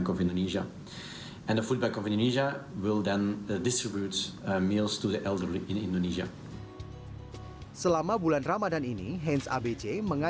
karena jiwa kita adalah gotong royong sebagai bangsa